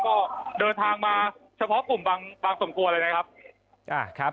ก็เดินทางมาเฉพาะกลุ่มบางบางส่วนกลัวเลยนะครับอ่าครับ